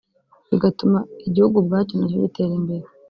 bigatuma igihugu ubwacyo na cyo gitera imbere